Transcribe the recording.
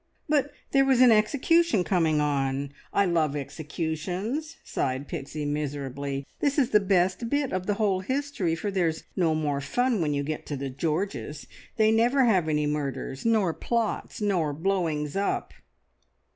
"But there was an execution coming on. I love executions!" sighed Pixie miserably. "This is the best bit of the whole history, for there's no more fun when you get to the Georges. They never have any murders, nor plots, nor blowings up."